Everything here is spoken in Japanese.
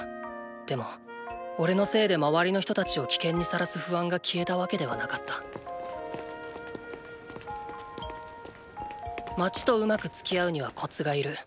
でもおれのせいで周りの人たちを危険に晒す不安が消えたわけではなかった街とうまくつきあうにはコツがいる。